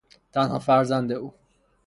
تنها فرزند او